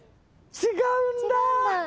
違うんだ。